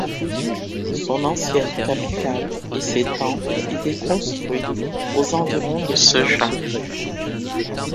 Son ancienne capitale et ses temples étaient construits aux environs de Sōja.